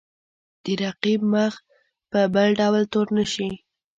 د رقیب مخ په بل ډول تور نه شي.